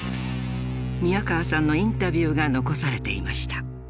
宮河さんのインタビューが残されていました。